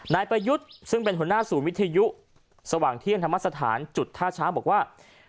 นายประยุทธ์ซึ่งเป็นหัวหน้าศูนย์วิทยุสว่างเที่ยงธรรมสถานจุดท่าช้างบอกว่า